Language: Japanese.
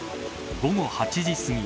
午後８時すぎ